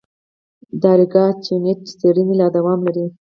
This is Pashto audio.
د اریکا چینوت څېړنې لا دوام لري.